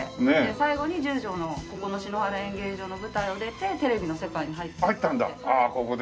最後に十条のここの篠原演芸場の舞台を出てテレビの世界に入ってったんで。